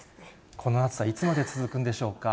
この暑さ、いつまで続くんでしょうか。